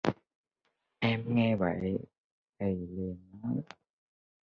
Em nghe vậy thì liền nói